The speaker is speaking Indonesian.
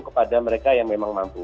kepada mereka yang memang mampu